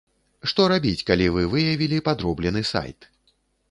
Што рабіць, калі вы выявілі падроблены сайт?